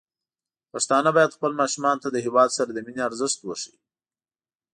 پښتانه بايد خپل ماشومان ته د هيواد سره د مينې ارزښت وښيي.